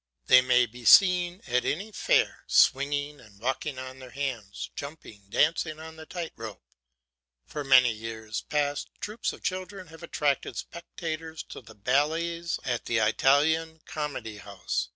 They may be seen at any fair, swinging, walking on their hands, jumping, dancing on the tight rope. For many years past, troops of children have attracted spectators to the ballets at the Italian Comedy House.